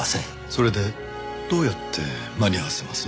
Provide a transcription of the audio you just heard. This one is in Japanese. それでどうやって間に合わせます？